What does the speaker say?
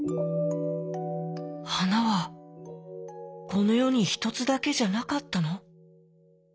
「はなはこのよにひとつだけじゃなかったの？